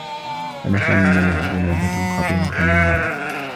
كان سامي يلعب لعبة خطيرة للغاية.